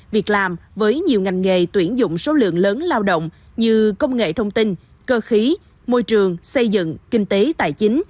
việc làm với nhiều ngành nghề tuyển dụng số lượng lớn lao động như công nghệ thông tin cơ khí môi trường xây dựng kinh tế tài chính